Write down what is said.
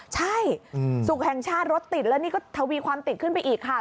ใช่สุขแห่งชาติรถติดแล้วนี่ก็ทวีความติดขึ้นไปอีกค่ะ